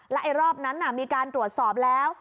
ไอ้รอบนั้นมีการตรวจสอบแล้ว